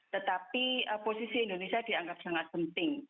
tetapi posisi indonesia dianggap sangat penting